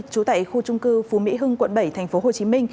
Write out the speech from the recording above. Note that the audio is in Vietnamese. trú tại khu trung cư phú mỹ hưng quận bảy tp hcm